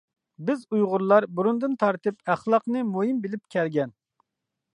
بىز ئۇيغۇرلار بۇرۇندىن تارتىپ ئەخلاقنى مۇھىم بىلىپ كەلگەن.